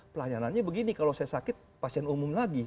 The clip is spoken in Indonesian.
pelayanannya begini kalau saya sakit pasien umum lagi